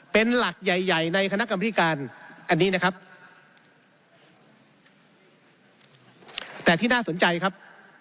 เป็นหลักใหญ่ใหญ่ในคณะกรรมธิการอันนี้นะครับแต่ที่น่าสนใจครับ